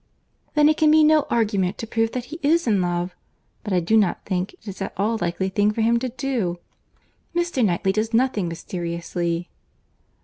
"Then it can be no argument to prove that he is in love. But I do not think it is at all a likely thing for him to do. Mr. Knightley does nothing mysteriously."